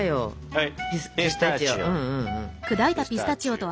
はい！